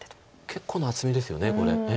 結構な厚みですよねこれ。